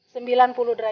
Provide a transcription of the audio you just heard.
sembilan puluh derajat